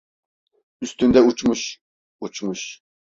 Üstünde uçmuş, uçmuş!